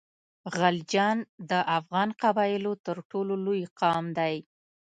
غلجیان د افغان قبایلو تر ټولو لوی قام دی.